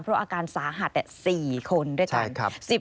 เพราะอาการสาหัส๔คนด้วยกัน